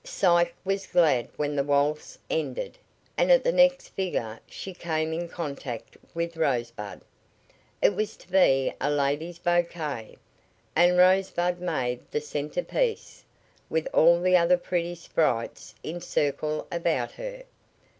Psyche was glad when the waltz ended, and at the next figure she came in contact with Rosebud. It was to be a ladies' bouquet, and Rosebud made the centerpiece, with all the other pretty sprites in a circle about her.